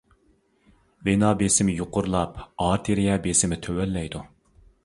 ۋېنا بېسىمى يۇقىرىلاپ ئارتېرىيە بېسىمى تۆۋەنلەيدۇ.